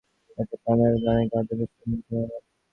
এতে পা মেলাবেন কলকাতার বিশিষ্টজনেরা।